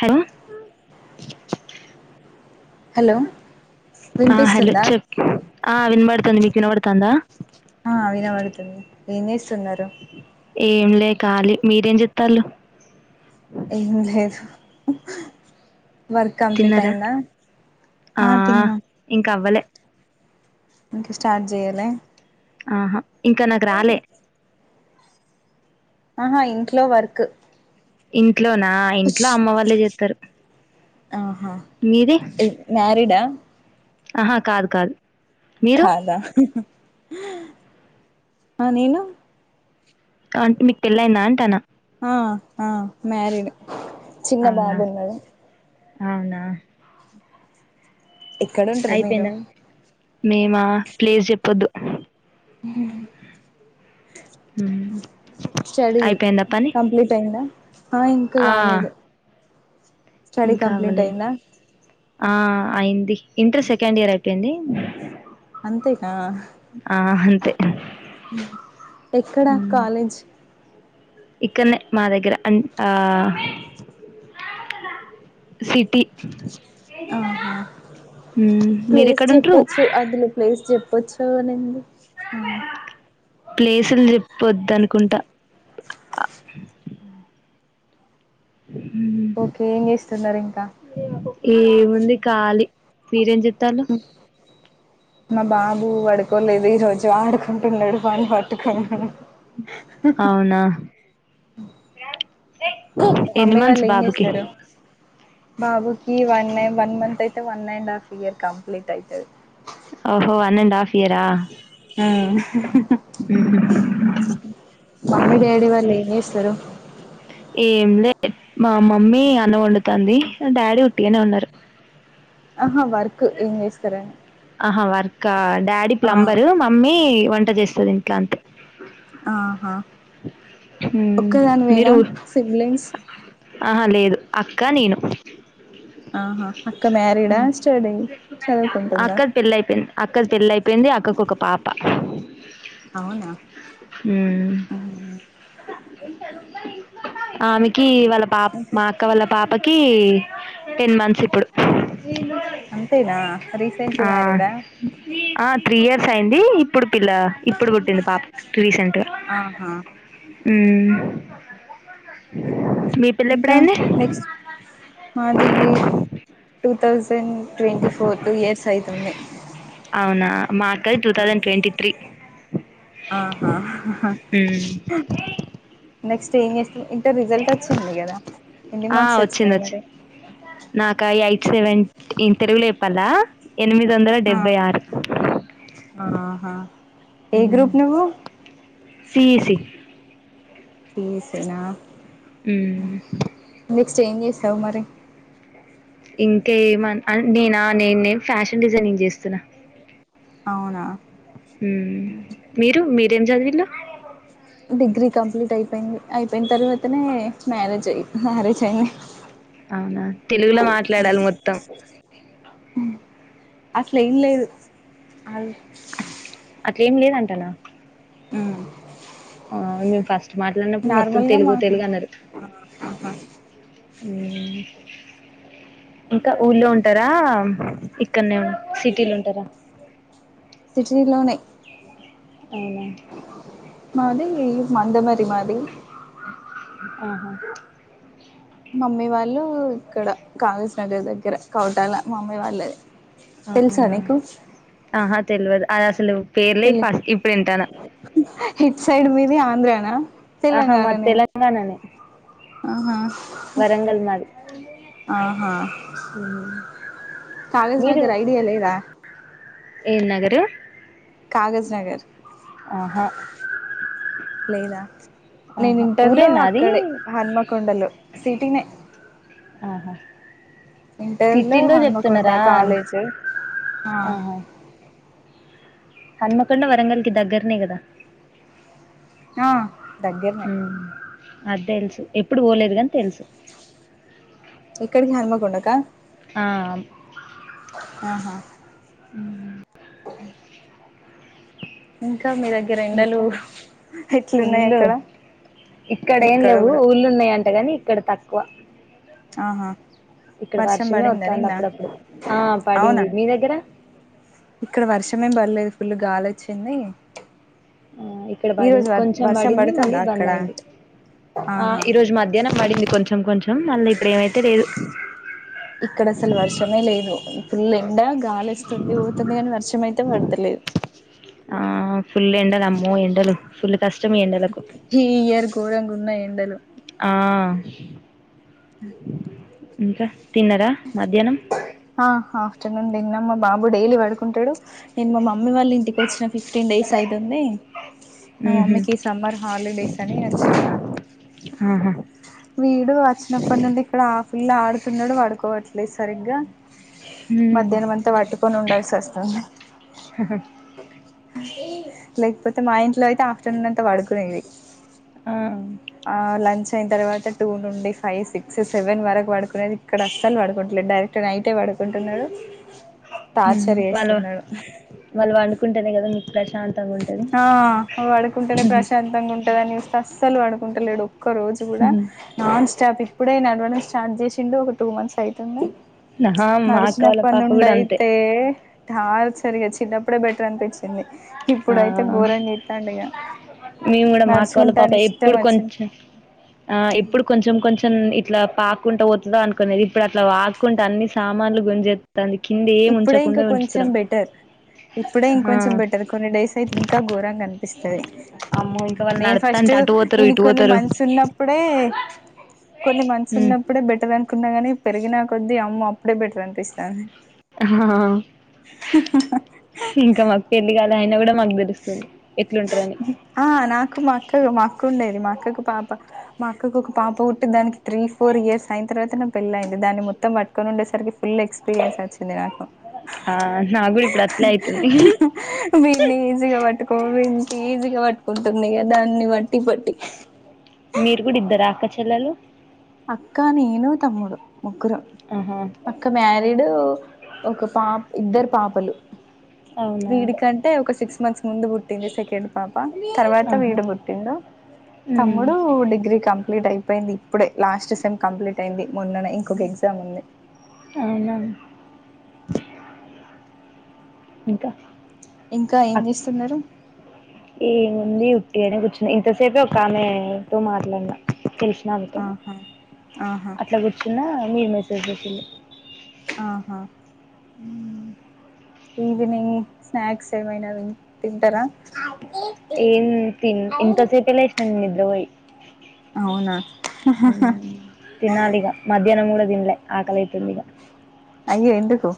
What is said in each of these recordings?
Hello hello ఆ hello వినిపిస్తుందా చెప్ ఆ వినబడుతుంది మీకు వినబడుతుందా ఆ వినబడుతుంది ఏం చేస్తున్నారు ఏం లే కాలి మీరేం చెత్తాళ్లు ఏం లేదు వర్క్ కంప్లీట్ తిన్నారా అయిందా ఆ అ తిన్న ఇంకా అవ్వలే ఇంక స్టార్ట్ చేయలె ఆహా ఇంకా నాకు రాలే ఆహా ఇంట్లో వర్క్ ఇంట్లోనా ఇంట్లో అమ్మ వాళ్ళే చెస్తరు ఆహా మ్యారిడా ఆహా కాదు కాదు మీరు కాదా ఆ నేను అంటే మీకు పెళ్లయిందా అంటాన ఆ ఆ మ్యారీడ్ చిన్న అవునా బాబున్నడు అవునా ఎక్కడ ఉంటరు మీరు అయిపోయిందా మేమా ప్లేస్ చెప్పొద్దు [unintelligible] స్టడీ అయిపోయిందా పని కంప్లీట్ అయింద ఆ ఇంకా ఆ కాలేదు స్టడీ ఇంకా కంప్లీట్ అవ్వలేదు అయిందా ఆ అయింది ఇంటర్ సెకండ్ ఇయర్ అపోంది అంతేనా అంతే ఎక్కడా కాలేజ్ ఇక్కన్నే మా దగ్గర అం ఆ సిటీ ఆహా ప్లేస్ మీరెక్కడుంట్రు చెప్పోచ్చు అందులు ప్లేస్ చెప్ పోచ్చు అనుంది ఆ ప్లేసులు చెప్పిపోద్దనుకుంటా ఓకే ఏం చేస్తున్నారు ఇంకా ఏముంది ఖాలి మీరేం చెత్తాలు మా బాబు పడుకోలేదు ఈ రోజు ఆడుకుంటున్నాడు పని పట్టుకోను అవునా అ ఎన్ని మామ్మి వాళ్ళు మంత్స్ ఏం బాబుకి చేస్తారు బాబుకి వన్ వన్ మంత్ అయితే one and half year complete అయితది ఓహో వన్ అండ్ హాఫ్ ఇయరా మ్ హు మమ్మీ డాడి వళ్ళు ఎం చేస్తారు ఏం లే మా మమ్మీ అన్నం వండుతది డాడీ ఉట్టిగానే ఉన్నారు ఆహా వర్క్ ఏం చేస్తారని ఆహా వర్క్ డాడీ ఆ ప్లంబరు మమ్మీ వంట చేస్తది ఇంట్ల అంతే ఆహా ఒక్కదాని మీరు వేనా సిబ్లింగ్స్ ఆహా లేదు అక్క నేను ఆహా అక్క మ్యారీడా స్టడీ చదువుకుంటుందా పోయింది అక్కది పెళ్ళి అయిపోయింది అక్కకు ఒక పాప అవునా ఉమ్ అవునా ఆమెకి వాళ్ళ పాప ఇంకా మా అక్క వాళ్ళ పాపకి టేన్ మన్స్ ఇప్పుడు అంతేనా రీసెంట్లీ ఆ మ్యారీడా ఆ త్రీ ఇయర్స్ అయింది ఇప్పుడు పిల్ల ఇప్పుడు పుట్టింది పాప రీసెంట్ గ ఆహా మ్ ఇంకా నెక్స్ట్ మాది టు ూ thousand twenty four two years అయితుంది అవునా మా అక్కది టూ ౌసండ్ ట్వంటీ త్రీ ఆహా ఉమ్ నెక్స్ స్ట్ ఎం చెస్ ట్రైన్ ఇంటర్ రిజల్ట్ వచ్చింది కదా ఎన్ని ఆ మార్క్స్ వచ్చింది వచ్చినాయి మరి సెవెంట్ తెలుగుల చేప్పల్న ఎనిమిది వందల ఆ డెబ్బై ఆరు ఆహా ఏ గ్రూప్ నువ్వు సిీఈసీ సిఈసి నా మ్ చేంజ్ చేస్తావ్ మరి ఇంకేమ్ మన్ అన్ నినా నేనేం ఫ్యాషన్ డిజైనింగ్ చేస్తున్నా అవునా మ్ మీరు మీరేం చదివిళ్ళు డిగ్రీ కంప్లీట్ అయిపోయింది అయిపోయిన తర్వాతనే మ్యారేజ్ అయింది మ్యారేజ్ అయింది అవునా తెలుగుల మాట్లాడాలి మొత్తం అసలేం లేదు అ అట్లేం లేదంటనా హ్మ్ ఆ మేము ఫస్ట్ మాట్లాడినప్పుడు మొత్తం తెలుగు మా తెలుగు అన్నారు హ్మ్ ఇంకా ఊర్లో ఉంటారా ఇక్కడనే సిటీలో ఉంటారా సిటిీలోనే అవునా మాది మండే మరి మాది ఆహా మమ్మీ వాళ్ళు ఇక్కడ కాగజ్ నగర్ దగ్గర కౌటాల మామయ్య వాళ్ళది తెలుసా అవునా నీకు ఆహా తెలవదు అది అసలు పేర్లే ఫస్ట్ ఇప్పుడు వింటాన ఎట్ సైడ్ మీది ఆంధ్రనా ఆహా మాది తెలంగాణనే ఆహా వరంగల్ మాది ఆహా హ్మ్ కాగజ్ నగర్ ఐడియా లేదా ఏం నగరు కాగజ్ నగర్ ఆహ లేదా నేను ఇంటర్లో ఊరేనా అది? అక్కడే హన్మకొండలో సిటినేే ఆహా సిటీలో హన్మకొండ చెప్తున్నరా కాలేజ్ ఆ ఆహా హన్మకొండ వరంగల్కి దగ్గరనే కదా ఆ దగ్గరనే అదేలుసు ఎప్పుడు పోలేదు గాని తెలుసు ఎక్కడికి హన్ముకొండకా ఆ ఆహా హ్మ్ ఇంకా మీ దగ్గర ఎండలు ఇంకా ఎట్లున్నాయ్ అక్కడ ఇక్కడ ఏం లేవు ఊళ్ళో ఉన్నాయంటగాని ఇక్కడ తక్కువ ఆహా ఇక్కడ వర్షం వర్షమే పడిందా వత్తాంది నిన్న అప్పుడప్పుడు. ఆ! అవునా పడింది. మీ దగ్గర? ఇక్కడ వర్షం ఏం పడ్లేదు ఫుల్ గాలొచ్చింది ఆ ఇక్కడ పడింది కొంచెం పడింది మళ్ళీ పడుతుందా బంద్ అక్కడ అయింది ఆ ఆహా ఈ రోజు మధ్యాహ్నం పడింది కొంచెం కొంచెం మళ్ళీ ఇప్పుడు ఏమైతే లేదు ఇక్కడ అసలు వర్షమే లేదు ఫుల్ ఎండ గాలొస్తుంది పోతుంది కాని వర్షం అయితే పడతలేదు ఆ ఫుల్ ఎండలు అమ్మో ఎండలు ఫుల్ కష్టం ఈ ఎండలకు. ఈ ఇయర్ ఘోరంగ ఉన్నయ్ ఎండలు ఆ అ ఇంక తిన్నరా మధ్యాహ్నం ఆ ఆఫ్టర్నూన్ తిన్న మా బాబు డైలీ పడుకుంటడు నేను మా మమ్మీ వాళ్ళ ఇంటికి వచ్చిన ఫిఫ్టీన్ డేస్ అయితుంది మా ఉహు మమ్మీకి సమ్మర్ హాలిడేస్ అని వచ్చిన ఆహా వీడు వచ్చినప్పటి నుండి ఇక్కడ ఆ ఫుల్లు ఆడుతున్నడు పడుకోవట్లేదు సరిగ్గా ఉమ్ మధ్యాహ్నం అంతా పట్టుకొని ఉండాల్సి వస్తుంది లేకపోతే మా ఇంట్లో అయితే ఆఫ్టర్నూన్ అంతా పడుకునేది ఆ ఆ లంచ్ అయిన తర్వాత టూ నుండి ఫైవ్ సిక్స్ సెవెన్ వరకు పడుకునేది ఇక్కడ అస్సలు పడుకుంట డైరెక్ట్ నైటే పడుకుంటున్నాడు ఉం టార్చర్ వాళ్ళ చేస్తున్నాడు వాళ్ళు పండుకుంటేనే కదా మీకు ప్రశాంతంగా ఉంటది ఆ పడుడుకుంటేనే ఉహు, ప్రశాంతంగా ఉంటదని అస్సలు పడుకుంటలేడు ఒక్క రోజు కూడా ఉహు. నాన్ స్టాప్ ఇప్పుడే నడవడం స్టార్ట్ చేసిండు ఒక టూ మంత్స్ అయితుంది ఆహా మా అక్క నడిచిన వాళ్ళ అప్పటి పాప నుండి కూడా అంతే అయితే టార్చర్ ఇగ చిన్నప్పుడే బెటర్ అనిపించింది ఆ ఇప్పుడైతే ఘోరం చెత్తాండు ఇగ మేము కూడా మా అక్క వాళ్ళ పాప నడుచుకుంటాను ఇష్టం ఎప్పుడు వచ్చింది కొంచెం ఆ ఎప్పుడు కొంచెం కొంచెం ఇట్లా పాక్కుంటా పోతుదా అనుకునేది ఇప్పుడు అట్లా పాకుంట అన్ని సామాన్లు గుంజే ఇప్పుడే ఇంక కొంచెం బెటర్ ఇప్పుడే ఆ ఇంకొంచెం బెటర్ కొన్ని డేస్ అయితే ఇంకా ఘోరంగా అనిపిస్తది అమ్మో ఇంకా వాళ్ళు నేను ఫస్ట్ నడుత్తాంటే అటు పోతరు ఈన ఇటు కొన్ని పోతరు మంత్స్ ఉన్నప్పుడే కొన్ని మనసు ఉమ్ ఉన్నప్పుడే బెటర్ అనుకున్నా కానీ పెరిగినక కొద్ద్దీ అమ్మ అప్పుడే బెటర్ అనిపిస్తుంది ఆ ఇంకా మాకు పెళ్లి కాల అయిన కూడా మాకు తెలుస్తుంది ఎట్లుంటదని ఆ నాకు మా అక్క మాక్క ఉండేది మా అక్కకు పాప మా అక్కకి ఒక పాప పుట్టి దానికి త్రీ ఫోర్ ఇయర్స్ అయిన తర్వాత నే పెల్లి అయింది దాన్ని మొత్తం పట్టుకని ఉండేసరికి ఫుల్ ఎక్స్పీరియన్స్ వచ్చింది నాకు ఆ నాకు కూడా ఇప్పుడు అట్లే అయితుంది వీడ్ని కో ఈజీగా పట్టుకుంటుంది కదా దాన్ని బట్టి పట్టి మీరు కూడా ఇద్దరు అక్కచెల్లలు అక్కా నేను తమ్ముడు ముగ్గురం ఆహా అక్క మ్యారీడ్ ఒక పా ఇద్దరు పాపలు అవునా వీడి కంటే ఒక సిక్స్ మంత్స్ ముందు పుట్టింది సెకండ్ పాప తర్వాత ఆహా వీడు పుట్టిండు ఉమ్ తమ్ముడు డిగ్రీ కంప్ ప్లీట్ అయిపోయింది ఇప్పుడే లాస్ట్ సెమ్ కంప్లీట్ అయింది మొన్ననే ఇంకొక ఎగ్జామ్ ఉంది అవునా ఇంకా ఇంకా ఏం అక్ చేస్తున్నారు ఏముంది ఉట్టి ఇడే కూర్చున్నా ఇంతసేపు ఒక ఆమెతో మాట్లాడిన తెలిసినా ఒకటే ఆహా ఆహా [unintelligible] అట్లా కూర్చున్న మీరు మెసేజ్ చేసిడి ఆహా ఈవినింగ్ స్నాక్స్ ఏమైనా తింటరా ఏం తిన్ ఇంతసేపే లేసిన నేను అవునా ఉం తినాలిగా మధ్యాహ్నం కూడా తినలే ఆకలి అయితాంధి ఇగ అయ్యో ఎందుకో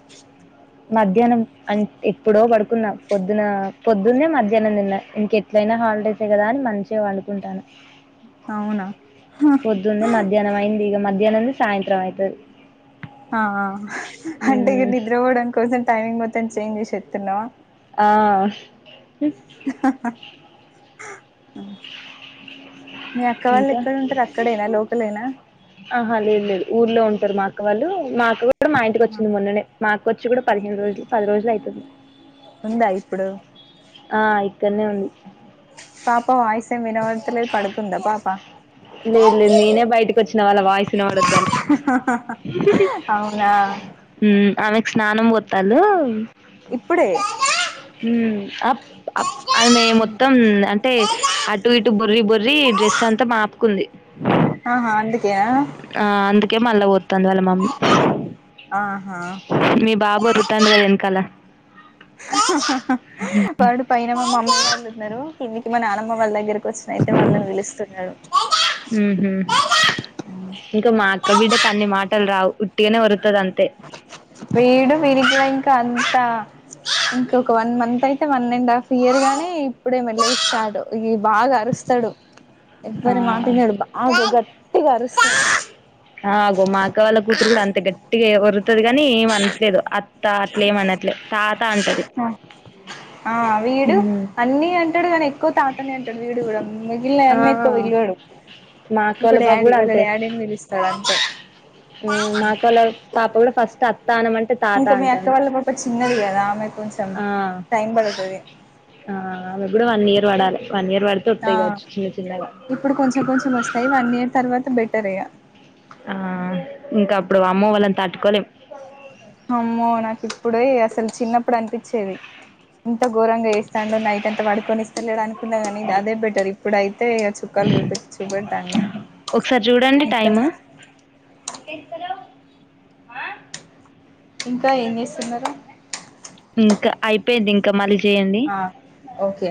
మధ్యాహ్నం అంటే ఎప్పుడో పడుకున్నా పొద్దున పొద్దున్నే మధ్యాహ్నం తిన్న ఇంక ఎట్లయి న హాలిడేసే కదా అని మంచిగా పండు కుంటున్న అవునా పొద్దున్ది మధ్యాహ్నం అయింది ఇగ మధ్యాహ్న సాయంత్రం అయితది ఆహా అంటే ఇగ మ్మ్ నిద్ర పోవడం కోసం టైమింగ్ మొత్తం చేంజ్ చేసేస్తున్నావా ఆ [inaudible] [inaudible] మీ అక్క వాళ్ళు ఇంకా ఎక్కడ ఉంటారు అక్కడేనా లోకలేనా ఆహా లేదు లేదు ఊర్లో ఉంటారు మా అక్క వాళ్ళు మా అక్క కూడా మా ఇంటికి వచ్చింది మొన్ననే మా వచ్చి కూడా పదిహేను రోజులు పది రోజులు అయితుంది ఉందా ఇప్పుడు ఆ ఇక్కనే ఉంది పాప వాయిసేమ్ వినవడుత లేదు పడుకుందా పాపా లేదు లేదు నేనే బయటికచ్చిన వాళ్ళ వాయిస్ వినవడద్దని అవునా ఆమెకు స్నానం పోతాలు ఇప్పుడే ఉమ్ అ ప్ అప్ అమే మొత్తం అంటే అటు ఇటు బోర్రి బొర్రి డ్రెస్ అంతా మాపు ఆహా అందు ఆ అందుకే మళ్ళా పోతంది వాళ్ళ మమ్మీ ఆహా మీ బాబు ఓర్రుతండు కదా వెనకాల వాడు పైన మా మమ్మీ వాళ్ళున్నారు కిందికి మా నానమ్మ వాళ్ళ దగ్గర వచ్చినయితే వాళ్ళని పిలుస్తున్నాడు హుహు. బిడ్డకు అన్ని మాటలు రావు ఉట్టిగానే ఒర్రు వీడు వినీ గూడ ఇంకా అన్ని ట ఇంక ఒక వన్ మంత్ అయితే వన్ అండ్ హాఫ్ ఇయర్ గానీ ఇప్పుడే మెల్లగా స్టార్ట్ ఇగి బాగా అరుస్తాడు ఆ! ఎవ్వరి మాట ఇనడు బాగా గట్టిగా అరుస్తాడు ఆ! అగో మా అక్క వాళ్ళ కూతురు గూడా అంతే గట్టిగా ఒర్రుతది కాని ఏమనట్లేదు అత్త అట్లేమనట్లే తాత అంటది ఆ వీడు హ్మ్. అన్ని అంటాడు కానీ ఎక్కువ తాతనే అంటాడు వీడు కూడా మిగిలిన ఆ! అన్ని ఎక్కువ పిల్వడు మా అక్క వాళ్ళ బాబు కూడా అంతే పిలుస్తాడు అంతే మాకులా పాప కూడా ఫస్ట్ అ తానం అంటే తాత ఇంకా మీ అక్క అంటంది వాళ్ళ పాప చిన్నది కదా ఆమె కొంచెం ఆ టైం పడుతది అమే గూడ వన్ ఇయర్ పడాలి వన్ ఇయర్ పడితే ఆ వత్తాయి కావచ్చు చిన్న చిన్నగా ఇప్పుడు కొంచెం కొంచెం వస్తాయి వన్ ఇయర్ తర్వాత బెటర్ ఇగ ఆ ఇంకా అప్పుడు ఆమ్మో వాళ్ళను తట్టుకోలేం అమ్మో నాకు ఇప్పుడే అసలు చిన్నప్పుడు అనిపించేది ఇంత ఘోరంగా చేస్తాండు నైట్ అంత పడుకొనిస్తలేడు అనుకున్నా కానీ ఇది అదే బెటర్ ఇప్పుడై తే ఇగ చుక్కాలు చూ పె చూపెడుతండు మొత్తం ఎందుకేడుస్తాలెవ్ ఆ ఇంకా ఏం చేస్తున్నారు ఇంకా అయిపోయింది ఇంకా మల్లి ఆ ఓకే